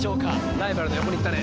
ライバルの横にいったね